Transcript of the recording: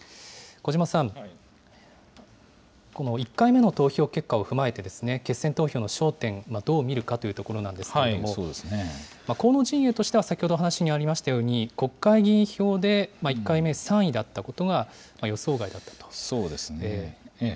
小嶋さん、この１回目の投票結果を踏まえて、決選投票の焦点、どう見るかというところなんですけれども、河野陣営としては、先ほど話にありましたように、国会議員票で１回目３位だったことがそうですね。